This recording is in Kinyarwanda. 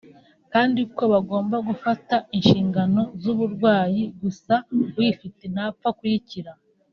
kandi ko bagomba gufata inshingano z’uburwayi gusa uyifite ntapfa kuyikira